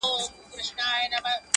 پاس د مځکي پر سر پورته عدالت دئ-